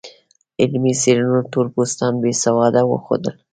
علمي څېړنو تور پوستان بې سواده وښودل.